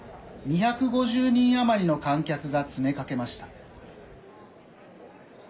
２５０人余りの観客が詰めかけました。